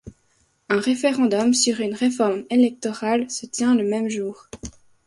Un référendum sur une réforme électorale se tient le même jour.